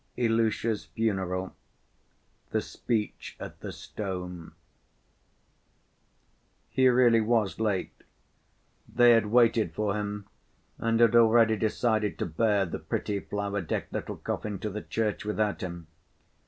Ilusha's Funeral. The Speech At The Stone He really was late. They had waited for him and had already decided to bear the pretty flower‐decked little coffin to the church without him.